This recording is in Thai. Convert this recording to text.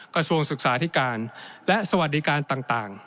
กระทรวงศึกษาธิการและสวัสดิการต่าง